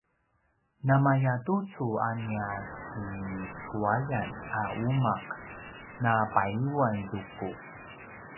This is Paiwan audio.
namaya tucu a nia a sinicuayan a umaq na payuanzuku